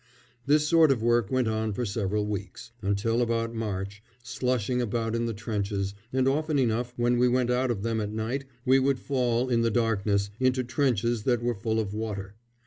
This sort of work went on for several weeks until about March, slushing about in the trenches, and often enough, when we went out of them at night we would fall, in the darkness, into trenches that were full of water.